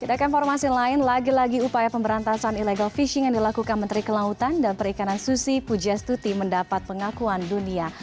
kita ke informasi lain lagi lagi upaya pemberantasan illegal fishing yang dilakukan menteri kelautan dan perikanan susi pujastuti mendapat pengakuan dunia